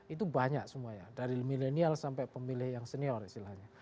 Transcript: itu banyak semua ya dari milenial sampai pemilih yang senior istilahnya